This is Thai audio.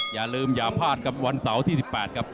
อย่าลืมอย่าพลาดครับวันเสาร์ที่๑๘ครับ